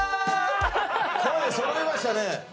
声揃いましたね。